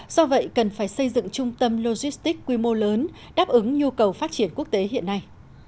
do vậy cần phải xây dựng trung tâm logistics quy mô lớn đáp ứng nhu cầu phát triển quốc tế hiện nay